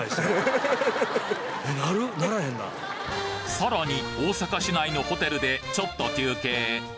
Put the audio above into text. さらに大阪市内のホテルでちょっと休憩